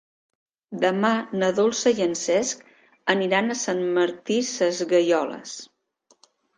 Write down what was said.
Demà na Dolça i en Cesc aniran a Sant Martí Sesgueioles.